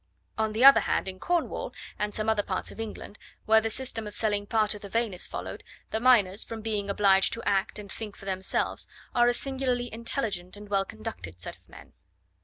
On the other hand, in Cornwall, and some other parts of England, where the system of selling part of the vein is followed, the miners, from being obliged to act and think for themselves, are a singularly intelligent and well conducted set of men.